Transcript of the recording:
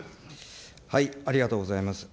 ありがとうございます。